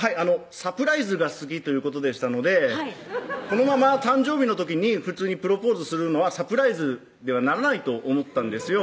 サプライズが好きということでしたのでこのまま誕生日の時に普通にプロポーズするのはサプライズにならないと思ったんですよ